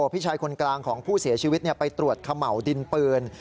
พี่ชายคนกลางของผู้เสียชีวิตไปตรวจเขม่าวดินปืน